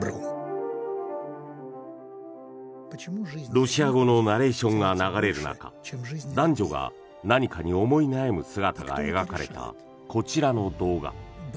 ロシア語のナレーションが流れる中男女が何かに思い悩む姿が描かれたこちらの動画。